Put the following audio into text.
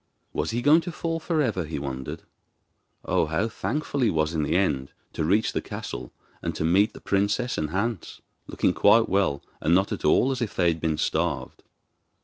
Was he going to fall for ever, he wondered! Oh, how thankful he was in the end to reach the castle, and to meet the princess and Hans, looking quite well and not at all as if they had been starved.